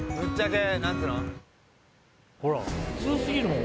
ほら普通すぎるもん